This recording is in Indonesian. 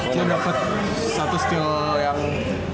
cio dapet satu skill yang